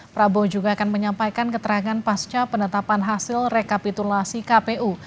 prabowo juga akan menyampaikan keterangan pasca penetapan hasil rekapitulasi kpu